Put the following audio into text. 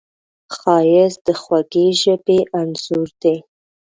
ښایست د خوږې ژبې انځور دی